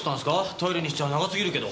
トイレにしちゃ長すぎるけど。